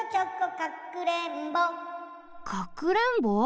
かくれんぼ？